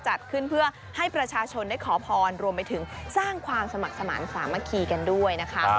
จัดขึ้นเพื่อให้ประชาชนได้ขอพรรวมไปถึงสร้างความสมัครสมาธิสามัคคีกันด้วยนะคะ